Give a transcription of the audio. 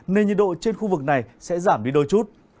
nên nhiệt độ trên khu vực này sẽ giảm đi đôi chút